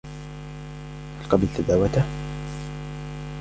هل قبلت دعوته؟